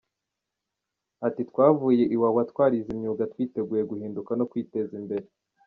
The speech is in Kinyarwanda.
Ati “Twavuye Iwawa twarize imyuga twiteguye guhinduka no kwiteza imbere.